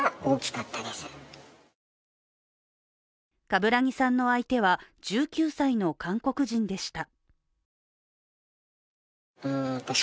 冠木さんの相手は１９歳の韓国人でした。